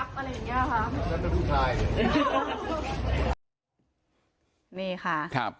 ก็จะเป็นคุณขวาอย่างเงียบ